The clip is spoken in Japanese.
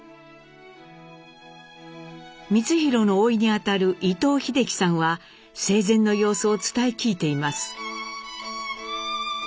光宏のおいにあたる伊藤秀樹さんは生前の様子を伝え聞いています。